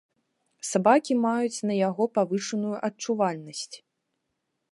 Сабакі маюць на яго павышаную адчувальнасць.